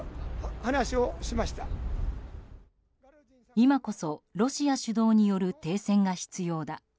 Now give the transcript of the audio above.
今こそロシア主導による停戦が必要だ。